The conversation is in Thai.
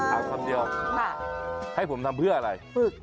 เอาคำเดียวให้ผมทำเพื่ออะไร